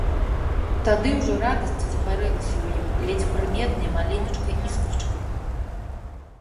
Тады ўжо радасць загарэлася ў ім ледзь прыметнай маленечкай іскрачкай.